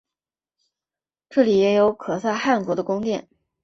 这里也有可萨汗国的宫殿。